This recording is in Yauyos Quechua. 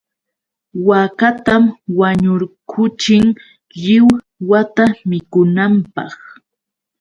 Waakatam wañurquchin lliw wata mikunanpaq.